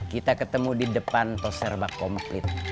kita ketemu di depan toserba komplit